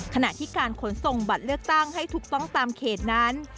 ขณะที่การขนส่งบัตรเลือกตั้งให้ถูกต้องตามเขตนั้น